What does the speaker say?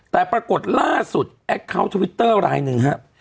แต่ปรากฏล่าสุดแอคเคาน์ทวิตเตอร์รายหนึ่งครับ